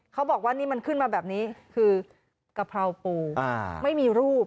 เขาบอกว่านี่มันขึ้นมาแบบนี้คือกะเพราปูไม่มีรูป